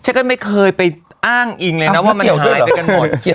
ฉันก็ไม่เคยไปอ้างอิงเลยนะว่ามันหายไปกันหมดอ้าวไม่เกี่ยวด้วยเหรอ